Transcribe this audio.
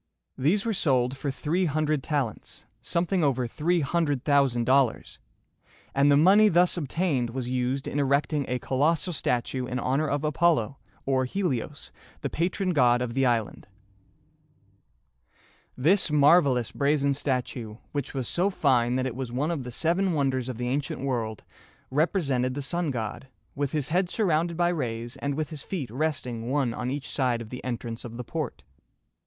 These were sold for three hundred talents (something over three hundred thousand dollars), and the money thus obtained was used in erecting a colossal statue in honor of Apollo (or He´li os), the patron god of the island. [Illustration: Demetrius Poliorcetes. (Coin.)] This marvelous brazen statue, which was so fine that it was one of the seven wonders of the ancient world, represented the sun god, with his head surrounded by rays, and with his feet resting one on each side of the entrance of the port.